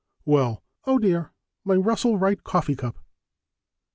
"Well " "Oh, dear! My Russell Wright coffee cup!"